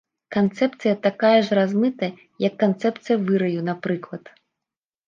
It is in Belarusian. Канцэпцыя такая ж размытая, як канцэпцыя выраю, напрыклад.